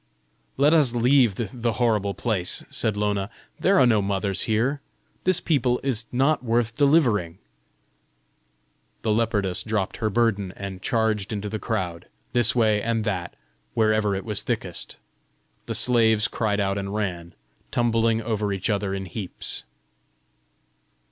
"Let us leave the horrible place," said Lona; "there are no mothers here! This people is not worth delivering." The leopardess dropped her burden, and charged into the crowd, this way and that, wherever it was thickest. The slaves cried out and ran, tumbling over each other in heaps.